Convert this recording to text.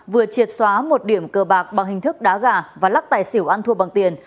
vừa triệt xóa một điểm cờ bạc bằng hình thức đá gà và lắc tài xỉu ăn thua bằng tiền